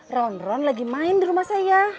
ronron lagi main di rumah saya